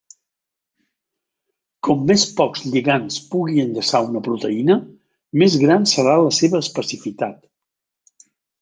Com més pocs lligands pugui enllaçar una proteïna, més gran serà la seva especificitat.